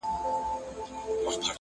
نیلی مي زین دی روانېږمه بیا نه راځمه!!